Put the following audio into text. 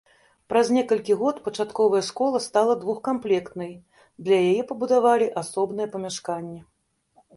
Праз некалькі год пачатковая школа стала двухкамплектнай, для яе пабудавалі асобнае памяшканне.